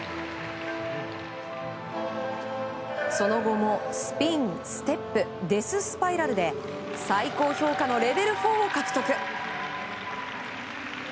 その後もスピン、ステップデススパイラルで最高評価のレベル４を獲得。